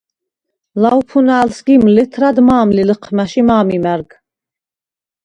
ლავფუნალ სგიმ ლეთრედ მა̄მ ლი ლჷჴმა̈შ ი მა̄მ იმა̈რგ.